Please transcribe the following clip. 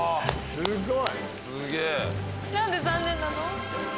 何で残念なの？